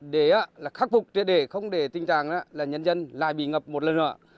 để khắc phục triệt đề không để tình trạng là nhân dân lại bị ngập một lần nữa